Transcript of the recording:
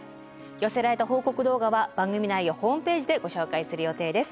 寄せられた報告動画は番組内やホームページでご紹介する予定です。